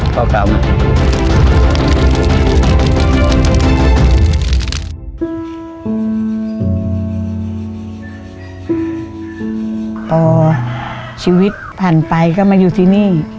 พอชีวิตผ่านไปก็มาอยู่ที่นี่